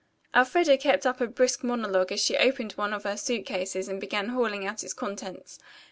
Elfreda kept up a brisk monologue as she opened one of her suit cases and began hauling out its contents.